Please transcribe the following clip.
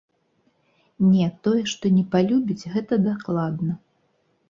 Не, тое, што не палюбіць, гэта дакладна.